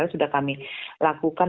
sudah kami lakukan